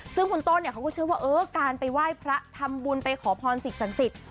ซึ่งคุณต้นเนี่ยเขาก็เชื่อว่าเออการไปไหว้พระทำบุญไปขอพรสิ่งศักดิ์สิทธิ์